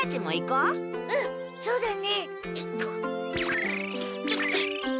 うんそうだね。